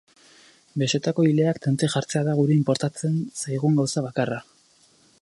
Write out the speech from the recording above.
Besoetako ileak tente jartzea da guri inportatzen zaigun gauza bakarra.